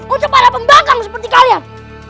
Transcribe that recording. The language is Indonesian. untuk para pembangkang seperti kalian